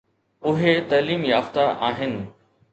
اهي تعليم يافته آهن.